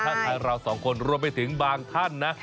ถ้าใครเราสองคนรวมไปถึงบางท่านนะ